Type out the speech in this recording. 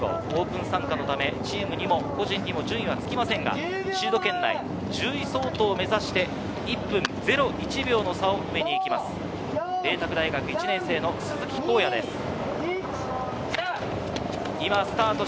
オープン参加のためチームにも個人にも順位はつきませんが、シード圏内、１０位相当を目指して１分０１秒の差を埋めに行きます、麗澤大学の鈴木康也です。